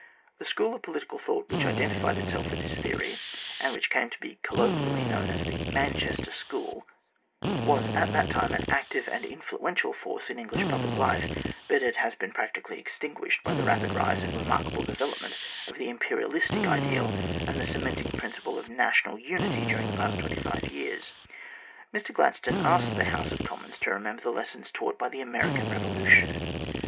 The school of political thought, which identified itself with this theory, and which came to be colloquially known as the Manchester School, was at that time an active and influential force in English public life, but it has been practically extinguished by the rapid rise and the remarkable development of the Imperialistic ideal and the cementing principle of National unity during the past twenty five years. Mr Gladstone asked the House of Commons to remember the lessons taught by the American Eevolution.